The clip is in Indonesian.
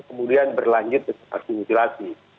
kemudian berlanjut dengan aksi mutilasi